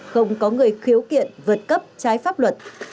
không có người khiếu kiện vượt cấp trái pháp luật